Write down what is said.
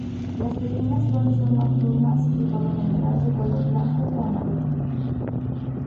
Las pequeñas flores son nocturnas y por lo general de color blanco o amarillo.